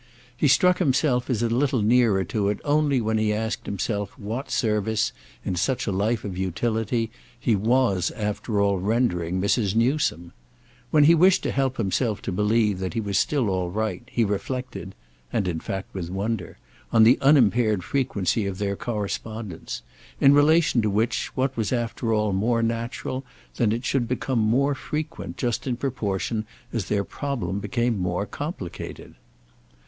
He struck himself as a little nearer to it only when he asked himself what service, in such a life of utility, he was after all rendering Mrs. Newsome. When he wished to help himself to believe that he was still all right he reflected—and in fact with wonder—on the unimpaired frequency of their correspondence; in relation to which what was after all more natural than that it should become more frequent just in proportion as their problem became more complicated?